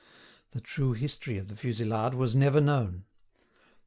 The true history of the fusillade was never known.